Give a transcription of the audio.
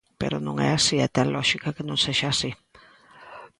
Pero non é así e ten lóxica que non sexa así.